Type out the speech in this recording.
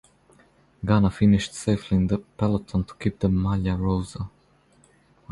Ganna finished safely in the peloton to keep the "maglia rosa".